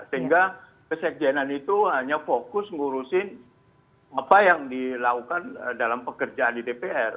sehingga kesekjenan itu hanya fokus ngurusin apa yang dilakukan dalam pekerjaan di dpr